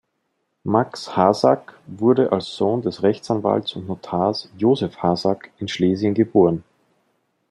Max Hasak wurde als Sohn des Rechtsanwalts und Notars Josef Hasak in Schlesien geboren.